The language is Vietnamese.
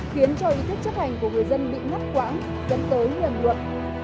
khiến cho ý thức chấp hành của người dân bị ngắt quãng dẫn tới hiền luận